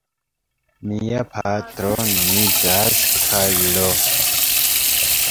Mia patro nomiĝas Karlo.